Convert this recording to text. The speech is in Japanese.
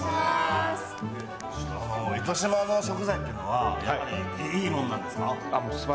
あの糸島の食材っていうのはやはりいいものなんですか？